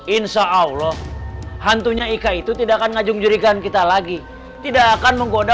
insya allah hantunya ika itu tidak akan ngajung jurikan kita lagi tidak akan menggoda